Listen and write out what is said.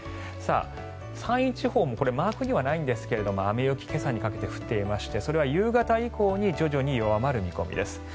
山陰地方マークにはないんですが雨、雪が今朝にかけて降っていましてそれは夕方以降に徐々に弱まる見込みです。